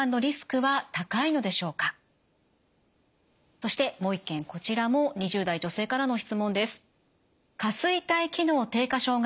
そしてもう一件こちらも２０代女性からの質問です。